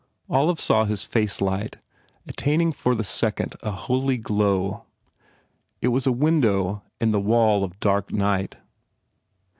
Olive saw his face light, attaining for the second a holy glow. It was a window in the wall of dark night.